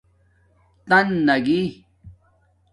تناگئی